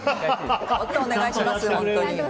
お願いしますよ、本当に。